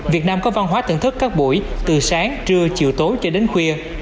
việt nam có văn hóa thưởng thức các buổi từ sáng trưa chiều tối cho đến khuya